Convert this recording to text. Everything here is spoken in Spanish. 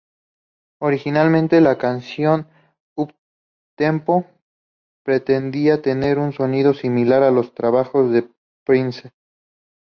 Originalmente, la canción "uptempo" pretendía tener un sonido similar a los trabajos de Prince.